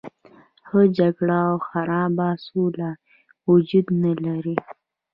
ښه جګړه او خرابه سوله وجود نه لري.